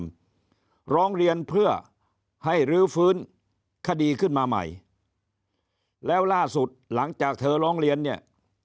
ร้องเรียนเพื่อให้รื้อฟื้นคดีขึ้นมาใหม่แล้วล่าสุดหลังจากเธอร้องเรียนเนี่ย